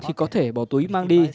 thì có thể bỏ túi mang đi